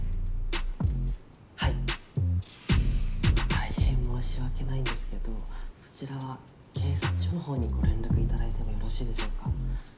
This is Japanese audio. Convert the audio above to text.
大変申し訳ないんですけどそちらは警察署のほうにご連絡頂いてもよろしいでしょうか。